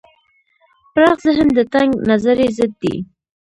پراخ ذهن د تنگ نظرۍ ضد دی.